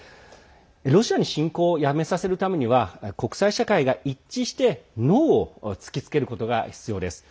ロシアに侵攻をやめさせるためには国際社会が一致してノーを突きつけることが必要です。